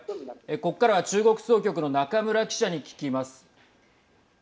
ここからは中国総局の中村記者に聞きます。